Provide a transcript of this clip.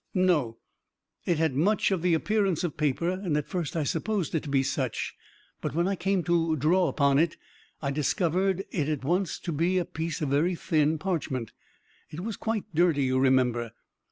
"No; it had much of the appearance of paper, and at first I supposed it to be such, but when I came to draw upon it, I discovered it at once to be a piece of very thin parchment. It was quite dirty, you remember.